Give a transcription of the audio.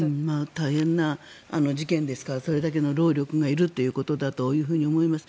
大変な事件ですからそれだけの労力がいるということだと思います。